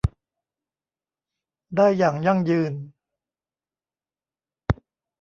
ได้อย่างยั่งยืน